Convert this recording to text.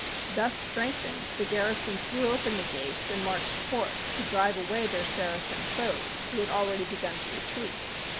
Thus strengthened, the garrison threw open the gates and marched forth to drive away their Saracen foes, who had already begun to retreat.